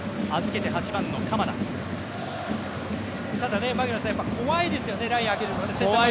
ただ、怖いですよね、ラインを上げるのは。